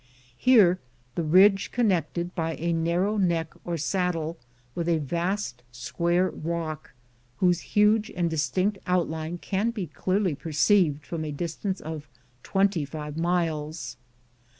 Here the ridge connected, by a narrow neck or saddle, with a vast square rock, whose huge and distinct out line can be clearly perceived from a distance of twenty five miles.